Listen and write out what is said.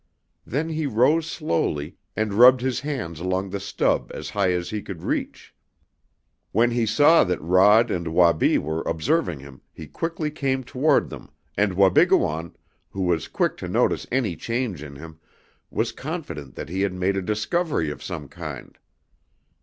Then he rose slowly, and rubbed his hands along the stub as high as he could reach. When he saw that Rod and Wabi were observing him he quickly came toward them, and Wabigoon, who was quick to notice any change in him, was confident that he had made a discovery of some kind.